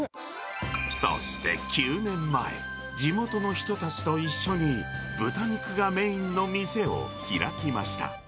そして９年前、地元の人たちと一緒に、豚肉がメインの店を開きました。